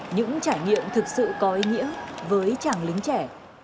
những trải nghiệm thực sự có ý nghĩa với chàng lính trẻ